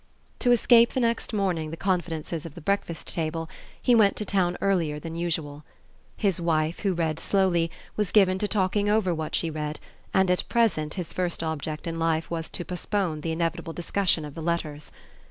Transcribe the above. To escape, the next morning, the confidences of the breakfast table, he went to town earlier than usual. His wife, who read slowly, was given to talking over what she read, and at present his first object in life was to postpone the inevitable discussion of the letters.